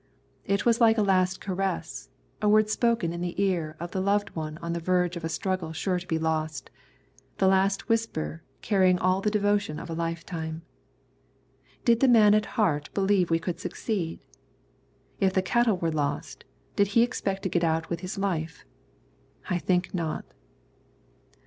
It was like a last caress, a word spoken in the ear of the loved one on the verge of a struggle sure to be lost, the last whisper carrying all the devotion of a lifetime. Did the man at heart believe we could succeed? If the cattle were lost, did he expect to get out with his life? I think not.